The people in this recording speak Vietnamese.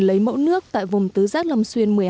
lấy mẫu nước tại vùng tứ giác long xuyên